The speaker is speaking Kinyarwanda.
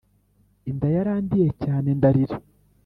Inda yarandiye cyane ndarira